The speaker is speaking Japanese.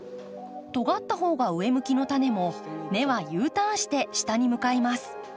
とがった方が上向きのタネも根はＵターンして下に向かいます。